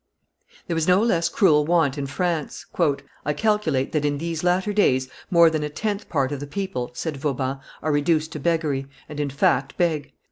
There was no less cruel want in France. "I calculate that in these latter days more than a tenth part of the people," said Vauban, "are reduced to beggary, and in fact beg."